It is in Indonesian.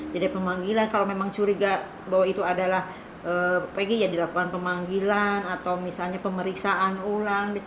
jadi pemanggilan kalau memang curiga bahwa itu adalah pg ya dilakukan pemanggilan atau misalnya pemeriksaan ulang